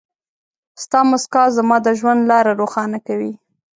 ستا مسکا زما د ژوند لاره روښانه کوي.